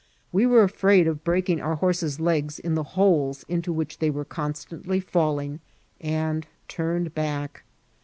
We were afraid of breaking our horses' legs in the holes into which they were constantly falling, and turned back.